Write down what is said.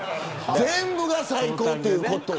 全部が最高というね。